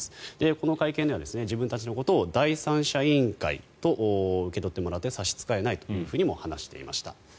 この会見では自分たちのことを第三者委員会と受け取ってもらって差し支えないと話していました。